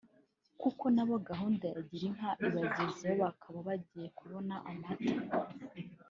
kuko nabo gahunda ya Girinka ibagezeho bakaba bagiye kubona amata